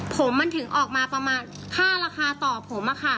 ผมมันถึงออกมาประมาณค่าราคาต่อผมอะค่ะ